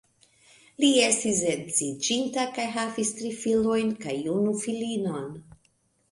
Li estis edziĝinta kaj havis tri filojn kaj unu filinon.